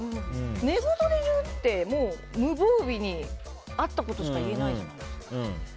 寝言で言うって無防備にあったことしか言えないじゃないですか。